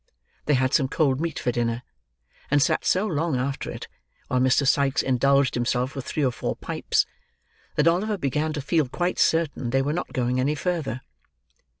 They had some cold meat for dinner, and sat so long after it, while Mr. Sikes indulged himself with three or four pipes, that Oliver began to feel quite certain they were not going any further.